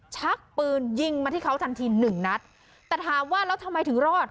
ชักปืนยิงมาที่เขาทันทีหนึ่งนัดแต่ถามว่าแล้วทำไมถึงรอด